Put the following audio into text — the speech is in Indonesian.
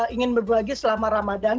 ingin berbagi selama ramadan